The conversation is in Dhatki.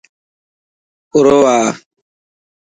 آرو آ.